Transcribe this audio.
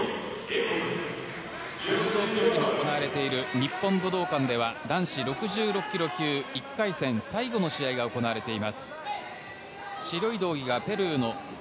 日本武道館では男子６６ｋｇ級１回戦最後の試合が行われています。